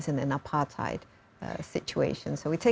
sebagai situasi apartai